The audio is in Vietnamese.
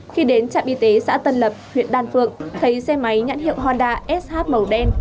khi đến trạm y tế xã tân lập huyện đan phượng thấy xe máy nhãn hiệu honda sh màu đen